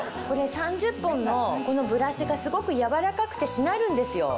３０本のこのブラシがすごく柔らかくてしなるんですよ。